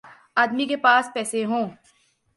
آدمی کے پاس پیسے ہوں۔